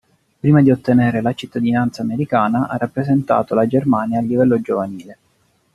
Prima di ottenere la cittadinanza americana ha rappresentato la Germania a livello giovanile.